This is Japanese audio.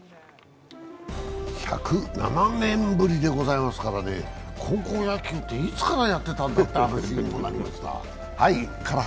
１０７年ぶりでございますから高校野球っていつからやってたのっていう話にもなりました。